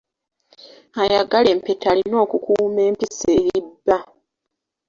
Ayagala empeta alina okukuuma empisa eri bba.